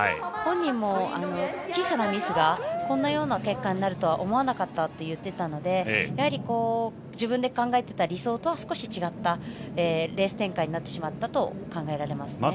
本人も、小さなミスがこのような結果になるとは思わなかったと言っていたのでやはり自分で考えていた理想とは少し違ったレース展開になってしまったと考えられます。